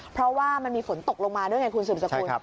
เพราะว่ามันมีฝนตกลงมาด้วยไงคุณสืบสกุล